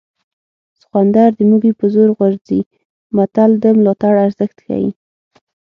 سخوندر د موږي په زور غورځي متل د ملاتړ ارزښت ښيي